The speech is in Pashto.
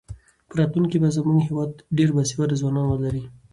په راتلونکي کې به زموږ هېواد ډېر باسواده ځوانان ولري.